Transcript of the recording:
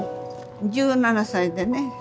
１７歳でね